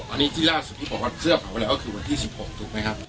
อันนี้ที่ล่าสุดที่บอกว่าเสื้อเผาแล้วคือวันที่สิบหกถูกไหมครับ